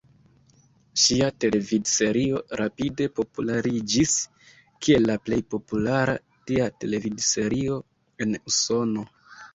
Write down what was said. Ŝia televidserio rapide populariĝis kiel la plej populara tia televidserio en Usono.